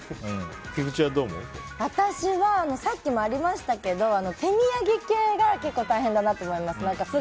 私は、さっきもありましたけど手土産系が結構大変だなと思います。